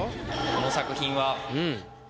この作品は。